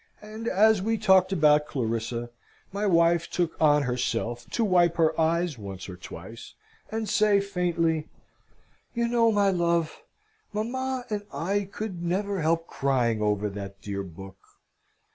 And as we talked about Clarissa, my wife took on herself to wipe her eyes once or twice, and say, faintly, "You know, my love, mamma and I could never help crying over that dear book.